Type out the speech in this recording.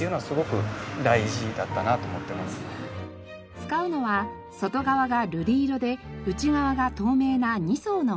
使うのは外側が瑠璃色で内側が透明な２層のガラス。